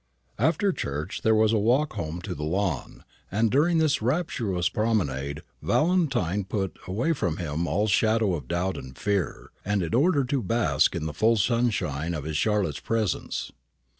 After church there was the walk home to the Lawn: and during this rapturous promenade Valentine put away from him all shadow of doubt and fear, in order to bask in the full sunshine of his Charlotte's presence.